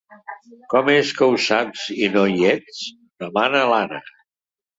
Com és que ho saps i no hi ets? —demana l'Anna.